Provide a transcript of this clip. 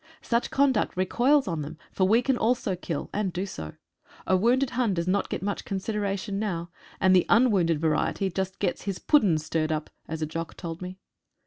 Such conduct recoils on them, for we can also kill, and do so. A wounded Hun does not get much consideration now, and the unwounded variety just gets "his puddens stirred up," as a "Jock" told me.